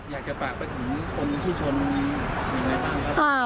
อยากจะฝากประถมีคนที่ชนมีอะไรบ้างคะ